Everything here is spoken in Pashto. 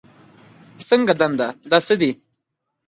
څنګه دنده، دا څه دي؟